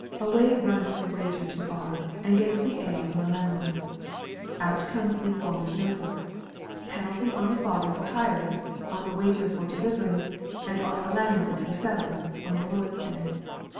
Away runs the waiter to the bar, and gets the ale from the landlord. Out comes the informer's note book—penalty on the father for hiring, on the waiter for delivering, and on the landlord for selling, on the Lord's day.